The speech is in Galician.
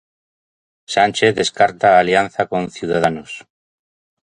Sánchez descarta a alianza con Ciudadanos.